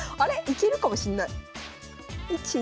いけるかもしんない。